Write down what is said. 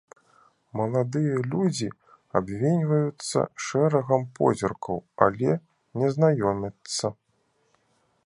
Маладыя людзі абменьваюцца шэрагам позіркаў, але не знаёмяцца.